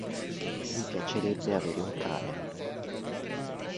Mi piacerebbe avere un cane.